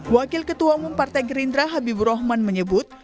wakil ketua umum partai gerindra habibur rahman menyebut